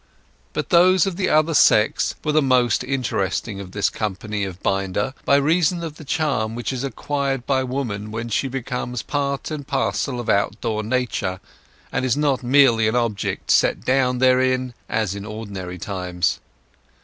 But those of the other sex were the most interesting of this company of binders, by reason of the charm which is acquired by woman when she becomes part and parcel of outdoor nature, and is not merely an object set down therein as at ordinary times.